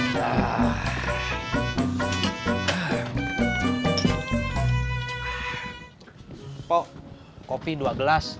kok kopi dua gelas